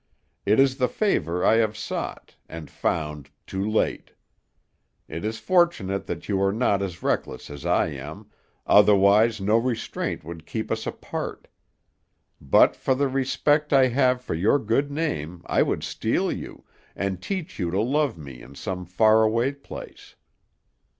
It is the favor I have sought, and found too late. It is fortunate that you are not as reckless as I am; otherwise no restraint would keep us apart. But for the respect I have for your good name, I would steal you, and teach you to love me in some far away place."